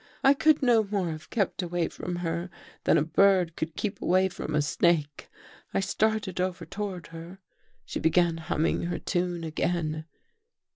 " I could no more have kept away from her than a bird could keep away from a snake. I started over toward her. She began humming her tune again.